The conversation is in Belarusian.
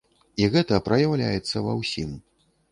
І гэта праяўляецца ва ўсім.